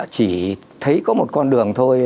chỉ thấy có một con đường thôi